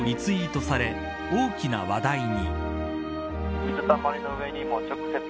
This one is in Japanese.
２万回以上、リツイートされ大きな話題に。